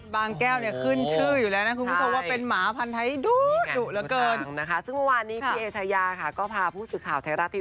บางแก้วเนี่ยขึ้นชื่ออยู่แล้วนะครูมิชมว่าเป็นหมาพันไทดูเรื่อยเติบ